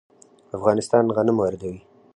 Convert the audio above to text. افغانستان غنم واردوي.